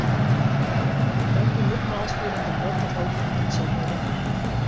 Dank u nogmaals voor een debat dat hopelijk nut zal hebben.